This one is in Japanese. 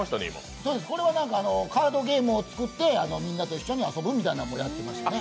これはカードゲームを作って、みんなで一緒に遊ぶってのをやってましたね。